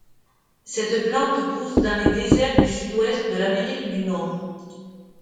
Cette plante pousse dans les déserts du sud-ouest de l'Amérique du Nord.